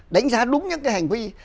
đánh giá đúng những cái hành vi